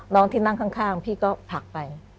น้องที่นั่งข้างพี่ก็ผลักไป